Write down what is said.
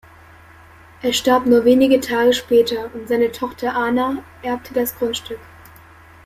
Er starb nur wenige Tage später und seine Tochter Ana erbte das Grundstück.